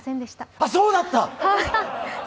あっ、そうだった。